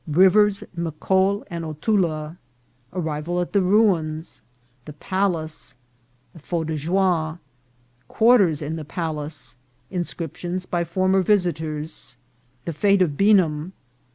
— Rivers Micol and Otula. — Arrival at the Ruins. — The Palace. — A Feu de joie. —Quarters in the Palace.— Inscriptions by former Visiters. — The Fate of Beanham.